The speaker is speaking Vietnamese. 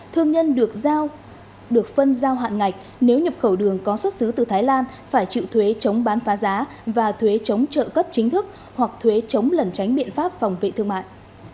thương nhân được phân giao hạn ngạch nếu nhập khẩu đường có xuất xứ từ thái lan phải chịu thuế chống bán phá giá và thuế chống trợ cấp chính thức hoặc thuế chống lẩn tránh biện pháp phòng vệ thương mại